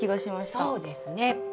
そうですね。